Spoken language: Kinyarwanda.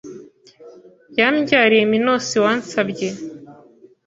Yambyariye Minos wansabye